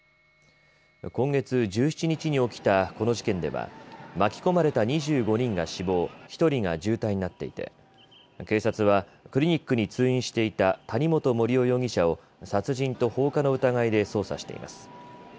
今月１７日に起きたこの事件では巻き込まれた２５人が死亡１人が重体になっていて警察はクリニックに通院していた谷本盛雄容疑者を殺人と放火の疑いで捜査しています。